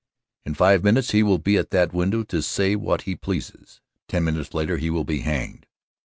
In five minutes he will be at that window to say what he pleases. Ten minutes later he will be hanged."